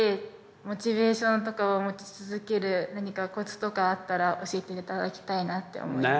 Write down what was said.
モチベーションとかを持ち続ける何かコツとかあったら教えて頂きたいなぁって思います。